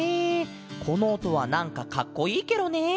このおとはなんかかっこいいケロね！